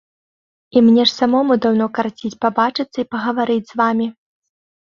І мне ж самому даўно карціць пабачыцца і пагаварыць з вамі.